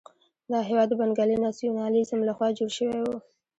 دا هېواد د بنګالي ناسیونالېزم لخوا جوړ شوی وو.